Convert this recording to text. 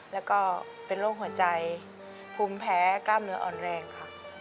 แล้วก็เป็นโรคหัวใจภูมิแพ้กล้ามเนื้ออ่อนแรงค่ะ